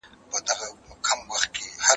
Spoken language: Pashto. د مشرانو درناوی او خدمت وکړئ.